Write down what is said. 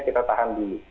kita tahan dulu